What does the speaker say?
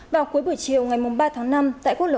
vào cuối buổi chiều ngày ba tháng năm tại quốc lộ một